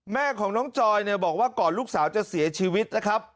แม่ของน้องจอยเนี่ยบอกว่าก่อนลูกสาวจะเสียชีวิตนะครับ